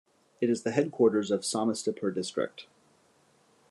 It is the headquarters of Samastipur district.